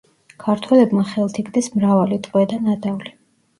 ქართველებმა ხელთ იგდეს მრავალი ტყვე და ნადავლი.